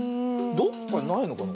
どっかにないのかな？